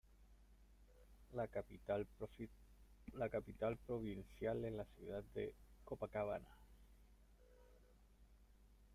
La capital provincial es la ciudad de Copacabana.